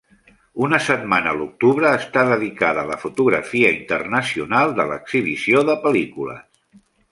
Una setmana a l'octubre està dedicada a la fotografia internacional de l'exhibició de pel·lícules.